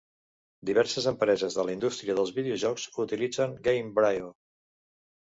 Diverses empreses de la indústria dels videojocs utilitzen Gamebryo.